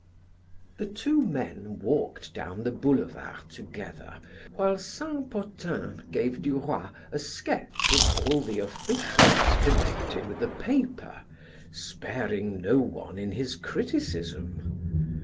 The two men walked down the boulevard together, while Saint Potin gave Duroy a sketch of all the officials connected with the paper, sparing no one in his criticism.